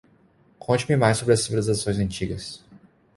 Conte-me mais sobre as civilizações antigas